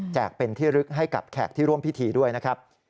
เป็นที่ลึกให้กับแขกที่ร่วมพิธีด้วยนะครับ